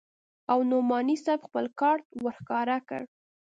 او نعماني صاحب خپل کارت ورښکاره کړ.